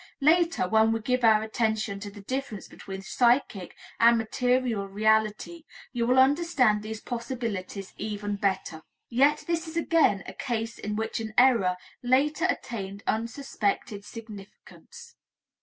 Later, when we give our attention to the difference between psychic and material reality, you will understand these possibilities even better. Yet this is again a case in which an error later attained unsuspected significance.